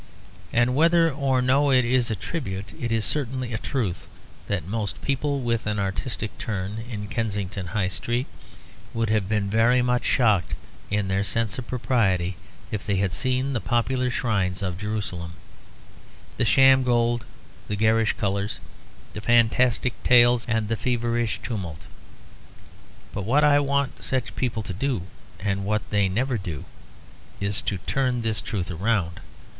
And whether or no it is a tribute, it is certainly a truth that most people with an artistic turn in Kensington High Street would have been very much shocked, in their sense of propriety, if they had seen the popular shrines of Jerusalem; the sham gold, the garish colours, the fantastic tales and the feverish tumult. But what I want such people to do, and what they never do, is to turn this truth round.